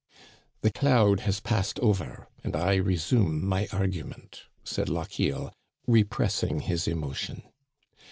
" The cloud has passed over, and I resume my argu ment," said Lochiel, repressing his. emotion.